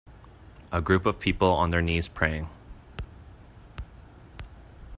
A group of people on their knees praying.